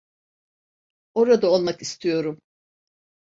Orada olmak istiyorum.